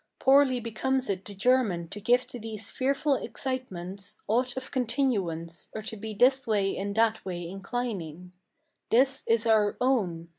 Poorly becomes it the German to give to these fearful excitements Aught of continuance, or to be this way and that way inclining. This is our own!